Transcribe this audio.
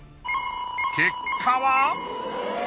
結果は。